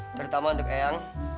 terutama untuk ayang